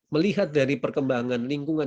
melihat dari perkembangan lingkungan